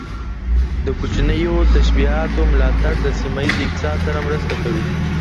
د کوچنیو تشبثاتو ملاتړ د سیمه ییز اقتصاد سره مرسته کوي.